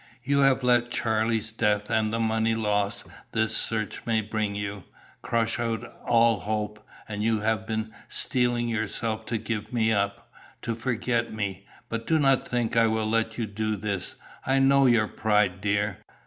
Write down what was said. You have let Charlie's death and the money loss this search may bring you, crush out all hope, and you have been steeling yourself to give me up; to forget me. But do you think I will let you do this? I know your pride, dear.